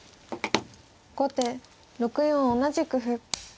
後手６四同じく歩。